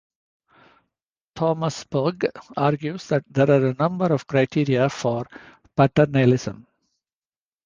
Thomas Pogge argues that there are a number of criteria for paternalism.